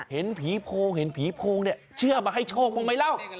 เห็นผีโพงเห็นผีโพงเนี่ยเชื่อมาให้โชคบ้างไหมเล่า